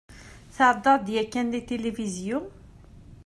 Tεeddaḍ-d yakan deg tilivizyu?